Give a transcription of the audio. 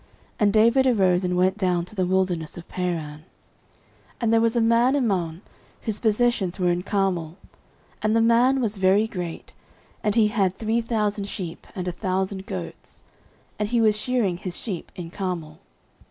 And David arose, and went down to the wilderness of Paran. 09:025:002 And there was a man in Maon, whose possessions were in Carmel; and the man was very great, and he had three thousand sheep, and a thousand goats: and he was shearing his sheep in Carmel.